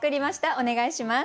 お願いします。